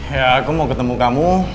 ya aku mau ketemu kamu